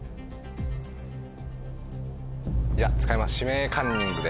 いや使います「指名カンニング」で。